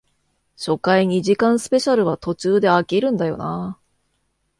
初回二時間スペシャルは途中で飽きるんだよなあ